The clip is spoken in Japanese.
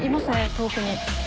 遠くに。